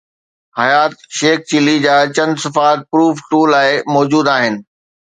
حيات شيخ چلي جا چند صفحا پروف II لاءِ موجود آهن.